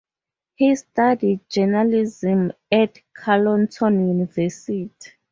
He studied journalism at Carleton University.